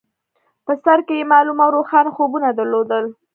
په سر کې يې معلوم او روښانه خوبونه درلودل.